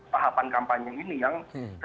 tahapan kampanye ini yang